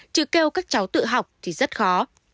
chứ kêu các cháu tự học thì rất khó